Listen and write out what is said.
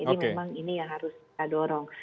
jadi memang ini yang harus kita dorong